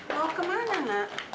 mau ke mana nak